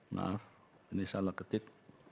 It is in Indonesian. maaf ini salah ketik